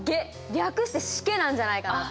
略してシケなんじゃないかと。